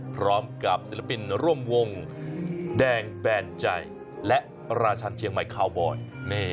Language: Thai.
พร้อมกับศิลปินร่วมวงแดงแบนใจและราชันเชียงใหม่คาวบอย